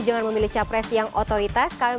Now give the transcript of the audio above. jangan memilih capres yang otoritas kami